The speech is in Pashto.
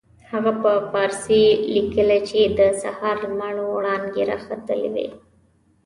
هغه په فارسي لیکلي چې د سهار لمر وړانګې را ختلې وې.